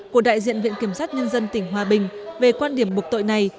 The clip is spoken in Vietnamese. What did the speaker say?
của đại diện viện kiểm sát nhân dân tỉnh hòa bình về quan điểm buộc tội này